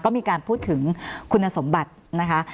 ก็มีการพูดถึงคุณสมบัตินะคะ